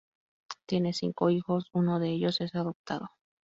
Tiene cinco hijos, uno de ellos es adoptado.